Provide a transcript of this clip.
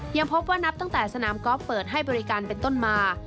ยังพบว่านับตั้งแต่สนามกอล์ฟเปิดให้บริการเป็นต้นมา